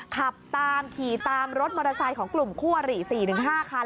ขับตามขี่ตามรถมอเตอร์ไซค์ของกลุ่มคู่อริ๔๕คัน